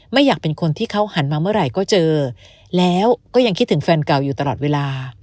ไม่อยากเป็นคนที่เขาหันมาเมื่อไหร่ก็เจอแล้วก็ยังคิดถึงแฟนเก่าอยู่ตลอดเวลา